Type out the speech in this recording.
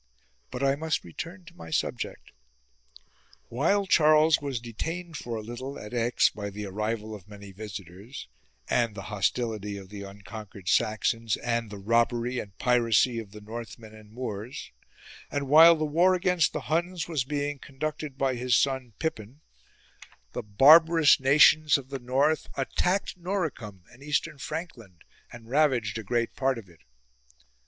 12. But I must return to my subject. While Charles was detained for a little at Aix by the arrival of many visitors and the hostility of the unconquered Saxons and the robbery and piracy of the North men and Moors, and while the war against the Huns was being conducted by his son Pippin, the barbarous nations of the north attacked Noricum and eastern Frankland and ravaged a great part of it.